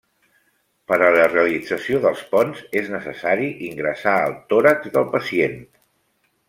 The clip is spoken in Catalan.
Per a la realització dels ponts és necessari ingressar al tòrax del pacient.